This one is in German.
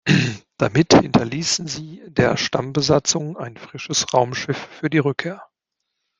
Damit hinterließen sie der Stammbesatzung ein frisches Raumschiff für die Rückkehr.